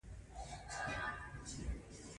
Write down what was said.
انجینر باید مسلکي کړنې په دقت ترسره کړي.